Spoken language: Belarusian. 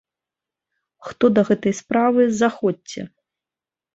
Хто да гэтай справы, заходзьце!